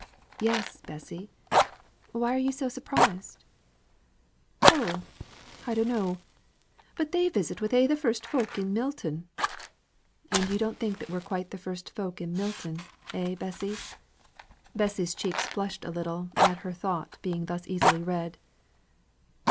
"Yes, Bessy. Why are you so surprised?" "Oh, I dunno. But they visit wi' a' th' first folk in Milton." "And you don't think we're quite the first folk in Milton, eh, Bessy?" Bessy's cheeks flushed a little at her thought being thus easily read.